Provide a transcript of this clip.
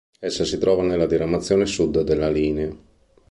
Essa si trova nella diramazione sud della linea.